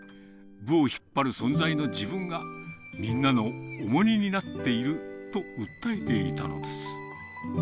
部を引っ張る存在の自分が、みんなの重荷になっていると訴えていたのです。